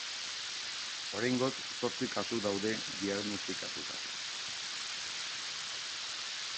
Oraingoz, zortzi kasu daude diagnostikatuta.